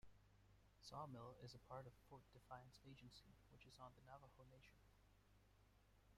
Sawmill is a part of Fort Defiance Agency, which is on the Navajo Nation.